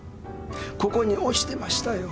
ここに落ちてましたよ。